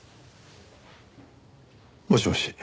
もしもし。